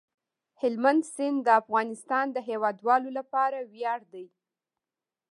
هلمند سیند د افغانستان د هیوادوالو لپاره ویاړ دی.